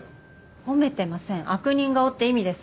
褒めてません悪人顔って意味です。